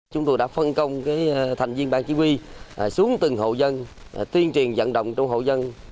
chúng tôi đã phân công thành viên bang chỉ huy xuống từng hộ dân tuyên truyền dẫn động trong hộ dân